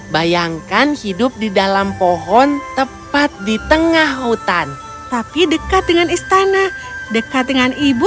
bayangkan hidup di dalam pohon tepat di tengah hutan tapi dekat dengan istana dekat dengan ibu